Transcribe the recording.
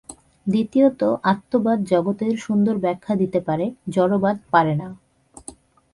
দ্বিতীয়ত আত্মবাদ জগতের সুন্দর ব্যাখ্যা দিতে পারে, জড়বাদ পারে না।